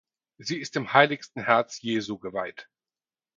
Sie ist dem Heiligsten Herz Jesu geweiht.